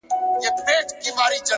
چا ویل دا چي، ژوندون آسان دی،